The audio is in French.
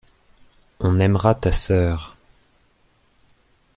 On aimera ta sœur.